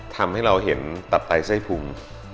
ทำให้เราเห็นตับไตไส้พุง